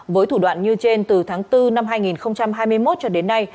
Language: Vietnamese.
với thủ đoạn như trên từ tháng bốn năm hai nghìn hai mươi một cho đến nay